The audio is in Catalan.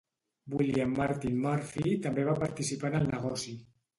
William Martin Murphy també va participar en el negoci.